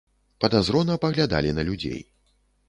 Падазрона паглядалі на людзей.